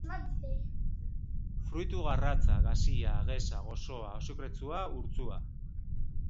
Fruitu garratza, gazia, geza, gozoa, azukretsua, urtsua.